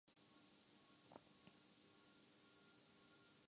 ان کا زمانہ خلافت بارہ سال کے عرصہ پر محیط ہے